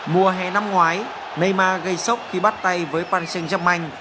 mùa hè năm ngoái neymar gây sốc khi bắt tay với paris saint germain